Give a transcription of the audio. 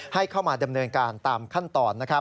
ให้เข้ามาดำเนินการตามขั้นตอน